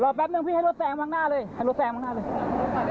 แป๊บนึงพี่ให้รถแซงวางหน้าเลยให้รถแซงข้างหน้าเลย